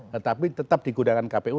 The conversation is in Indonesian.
tetapi tetap digunakan kpu